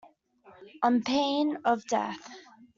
On pain of death.